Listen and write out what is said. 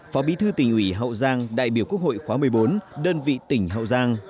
phó bí thư tỉnh ủy hậu giang đại biểu quốc hội khóa một mươi bốn đơn vị tỉnh hậu giang